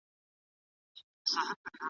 ولي محنتي ځوان د مستحق سړي په پرتله ښه ځلېږي؟